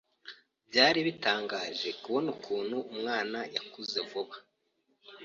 Byari bitangaje kubona ukuntu umwana yakuze vuba.